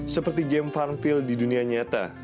seperti game parfield di dunia nyata